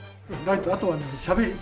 あとはねしゃべり。